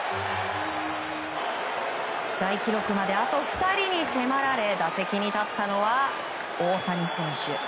大記録まであと２人に迫られ打席に立ったのは大谷選手。